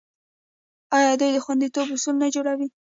آیا دوی د خوندیتوب اصول نه جوړوي؟